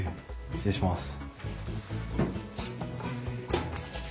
失礼します。